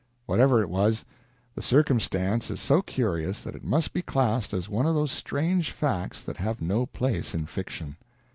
Whatever it was, the circumstance is so curious that it must be classed as one of those strange facts that have no place in fiction.